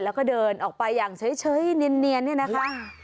แล้วก็เดินออกไปอย่างเฉยเนียนเนี่ยนะคะ